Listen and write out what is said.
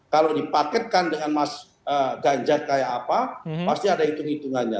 kalau dipaketkan dengan mas ganjar kayak apa pasti ada hitung hitungannya